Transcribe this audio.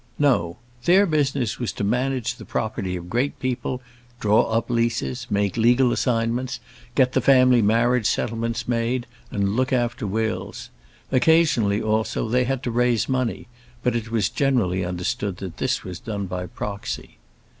No; their business was to manage the property of great people, draw up leases, make legal assignments, get the family marriage settlements made, and look after wills. Occasionally, also, they had to raise money; but it was generally understood that this was done by proxy.